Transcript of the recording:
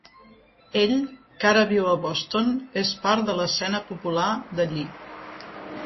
Ell, que ara viu a Boston, és part de l'escena popular d'allí.